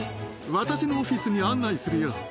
私のオフィスに案内するよ。